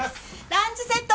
ランチセット